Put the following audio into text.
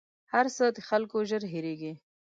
هر څه د خلکو ژر هېرېـږي